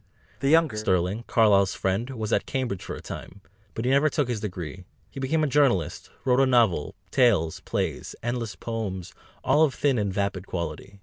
The younger Sterling, Carlyle's friend, was at Cambridge for a time, but never took his degree; he became a journalist, wrote a novel, tales, plays, endless poems all of thin and vapid quality.